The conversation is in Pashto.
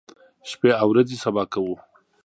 شپې او ورځې سبا کوو.